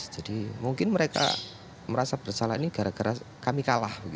jadi mungkin mereka merasa bersalah ini gara gara kami kalah